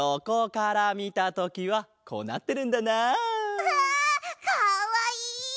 うわかわいい！